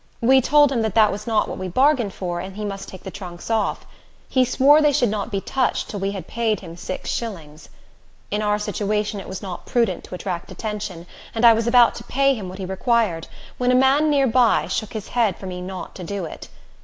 We told him that was not what we bargained for, and he must take the trunks off. He swore they should not be touched till we had paid him six shillings. In our situation it was not prudent to attract attention, and I was about to pay him what he required, when a man near by shook his head for me not to do it.